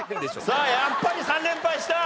さあやっぱり３連敗した。